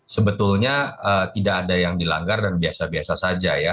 sebetulnya tidak ada yang dilanggar dan biasa biasa saja ya